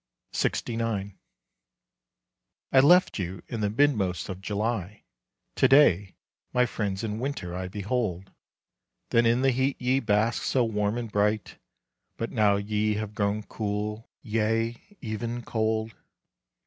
LXIX. I left you in the midmost of July, To day, my friends in winter I behold. Then in the heat ye basked so warm and bright, But now ye have grown cool, yea, even cold.